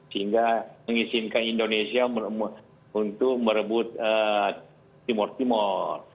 sehingga mengizinkan indonesia untuk merebut timur timur